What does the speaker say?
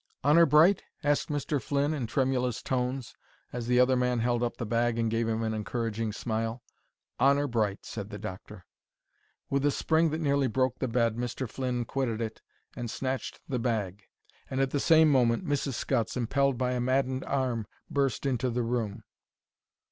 "Honour bright?" asked Mr. Flynn, in tremulous tones, as the other man held up the bag and gave him an encouraging smile. "Honour bright," said the doctor. With a spring that nearly broke the bed, Mr. Flynn quitted it and snatched the bag, and at the same moment Mrs. Scutts, impelled by a maddened arm, burst into the room.